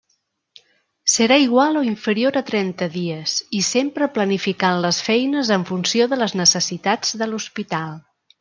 Serà igual o inferior a trenta dies i sempre planificant les feines en funció de les necessitats de l'Hospital.